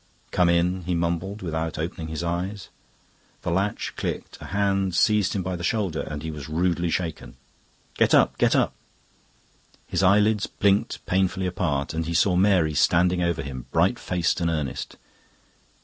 "Come in," he mumbled, without opening his eyes. The latch clicked, a hand seized him by the shoulder and he was rudely shaken. "Get up, get up!" His eyelids blinked painfully apart, and he saw Mary standing over him, bright faced and earnest.